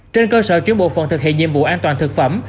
trên cơ sở chuyên bộ phần thực hiện nhiệm vụ an toàn thực phẩm